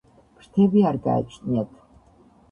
ფრთები არ გააჩნიათ.